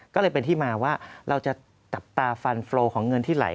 ก็เลยเป็นที่มาว่าเราจะจับตาฟันโฟลของเงินที่ไหล